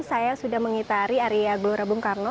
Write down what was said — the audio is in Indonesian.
saya sudah mengitari area gelora bung karno